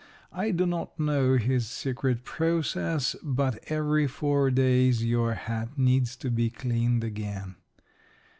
I do not know his secret process, but every four days your hat needs to be cleaned again.